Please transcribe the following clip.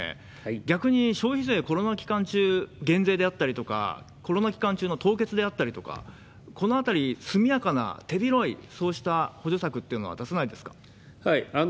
逆に消費税、コロナ期間中、減税であったりとか、コロナ期間中の凍結であったりとか、このあたり、速やかな、手広い、そうした補助策っていうのは出さないんですか？